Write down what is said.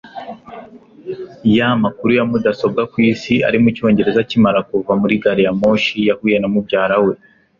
yamakuru ya mudasobwa ku isi ari mucyongereza akimara kuva muri gari ya moshi, yahuye na mubyara we